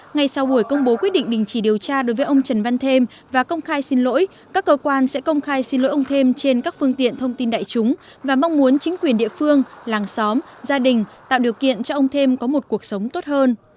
ngay sau buổi công bố quyết định đình chỉ điều tra đối với ông trần văn thêm và công khai xin lỗi các cơ quan sẽ công khai xin lỗi ông thêm trên các phương tiện thông tin đại chúng và mong muốn chính quyền địa phương làng xóm gia đình tạo điều kiện cho ông thêm có một cuộc sống tốt hơn